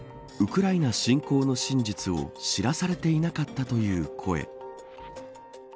ウクライナ侵攻の真実を知らされていなかったという声。